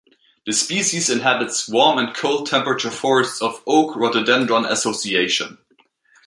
The species inhabits warm and cold temperate forests of oak-rhododendron association.